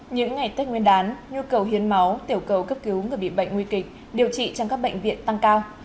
những ngày tết nguyên đán nhu cầu hiến máu tiểu cầu cấp cứu người bị bệnh nguy kịch điều trị trong các bệnh viện tăng cao